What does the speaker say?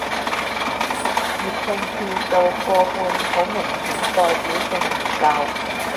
粵拼票數過半好明顯代表性唔夠